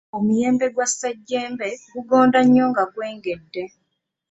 Omuyembe gwa ssejjembe gugonda nnyo nga gwengedde.